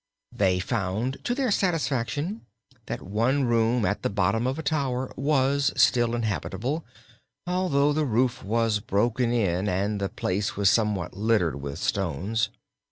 They found, to their satisfaction, that one room at the bottom of a tower was still habitable, although the roof was broken in and the place was somewhat littered with stones.